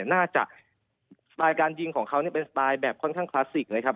น่าจะสไตล์การยิงของเขาเป็นสไตล์แบบค่อนข้างที่คลาสสิคเลยครับ